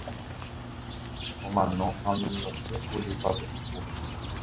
Omano ha oñeñotỹkuri Paso Pukúpe.